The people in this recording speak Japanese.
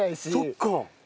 そっか。